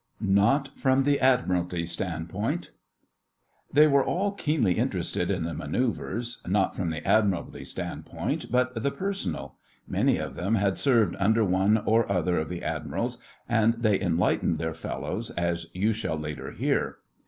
NOT FROM THE ADMIRALTY STANDPOINT They were all keenly interested in the Manœuvres—not from the Admiralty standpoint, but the personal. Many of them had served under one or other of the Admirals, and they enlightened their fellows, as you shall later hear.